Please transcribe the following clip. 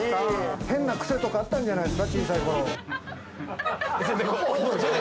変な癖とかあったんじゃないですか？